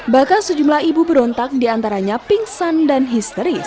bahkan sejumlah ibu berontak di antaranya pingsan dan histeris